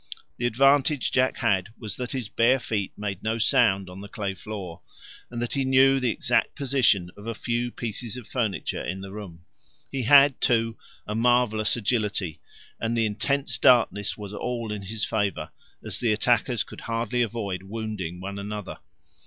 The advantage Jack had was that his bare feet made no sound on the clay floor, and that he knew the exact position of a few pieces of furniture in the room. He had, too, a marvellous agility, and the intense darkness was all in his favour, as the attackers could hardly avoid wounding one another.